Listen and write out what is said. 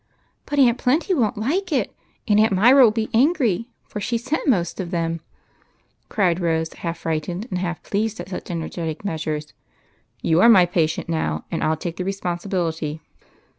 " But Aunt Plenty won't like it ; and Aunt Myra will be angry, for she sent most of them !" cried Rose, half frightened and half pleased at such energetic measures. " You are my patient now, and I '11 take the respon sibility.